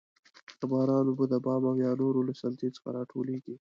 د باران اوبه د بام او یا نورو له سطحې څخه راټولیږي.